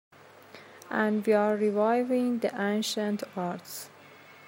And we are reviving the ancient arts.